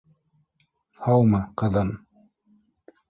Һаумы, ҡыҙым?